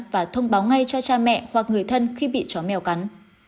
và thông báo ngay cho cha mẹ hoặc người thân khi bị chó mèo cắn